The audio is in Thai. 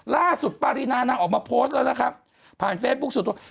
ปารีนานางออกมาโพสต์แล้วนะครับผ่านเฟซบุ๊คส่วนตัว